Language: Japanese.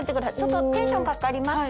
テンションかかりました？